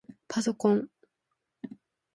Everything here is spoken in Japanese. ぱそこん